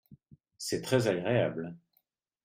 C’est très agréable.